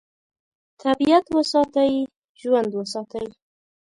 طبیعت وساتئ، ژوند وساتئ.